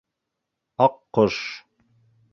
— Аҡҡош...